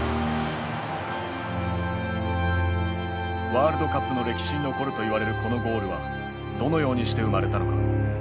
ワールドカップの歴史に残るといわれるこのゴールはどのようにして生まれたのか。